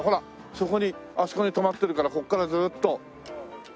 そこにあそこに止まってるからここからずっと。